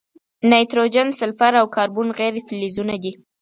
نایتروجن، سلفر، او کاربن غیر فلزونه دي.